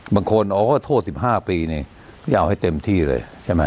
บางคนอ๋อโทษ๑๕ปีนี่จะเอาให้เต็มที่เลยใช่ไหม